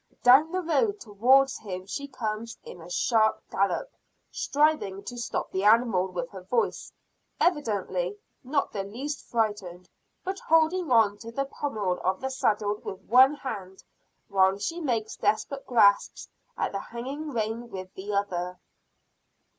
Down the road towards him she comes in a sharp gallop, striving to stop the animal with her voice, evidently not the least frightened, but holding on to the pommel of the saddle with one hand while she makes desperate grasps at the hanging rein with the other.